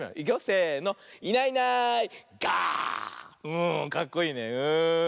うんかっこいいねうん。